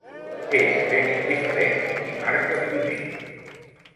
És ben indiferent qui marca primer.